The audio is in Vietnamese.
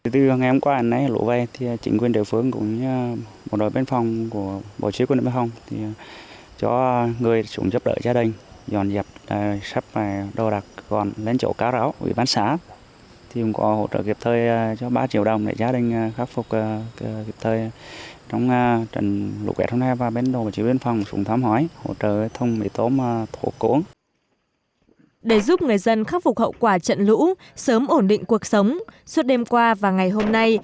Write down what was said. để giúp người dân khắc phục hậu quả trận lũ sớm ổn định cuộc sống suốt đêm qua và ngày hôm nay